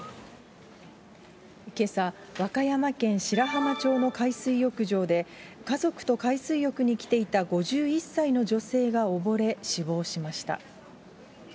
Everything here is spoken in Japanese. けさ、和歌山県白浜町の海水浴場で、家族と海水浴に来ていた５１歳の女性が溺れ、死亡しました。